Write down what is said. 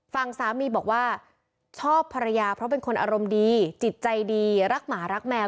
ฝั่งสามีบอกว่าชอบภรรยาเพราะเป็นคนอารมณ์ดีจิตใจดีรักหมารักแมว